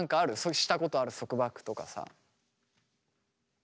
したことある束縛とかさ。